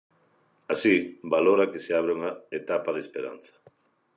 Así, valora que se abre unha "etapa de esperanza".